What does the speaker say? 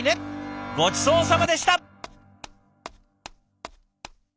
ごちそうさまでした！